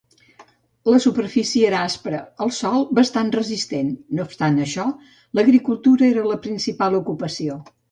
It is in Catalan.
La superfície era aspra, el sòl bastant resistent; no obstant això, l'agricultura era la principal ocupació.